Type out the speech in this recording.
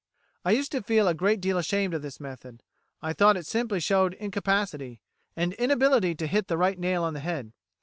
"I used to feel a great deal ashamed of this method. I thought it simply showed incapacity, and inability to hit the right nail on the head.